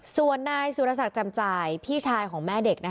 ส่วนนายสุรศักดิ์จำจ่ายพี่ชายของแม่เด็ก